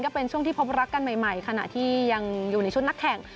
ก็เป็นช่วงที่พบรักกันใหม่ขณะที่ยังอยู่ในชุดนักแข่ง